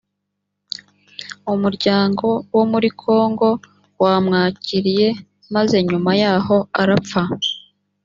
umuryango wo muri kongo wamwakiriye maze nyuma yaho arapfa